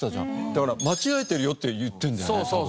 だから間違えてるよって言ってるんだよね多分。